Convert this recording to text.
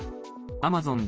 アマゾン